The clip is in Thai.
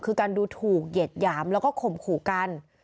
คือการดูถูกเหยียดหยามแล้วก็ข่มขู่กัน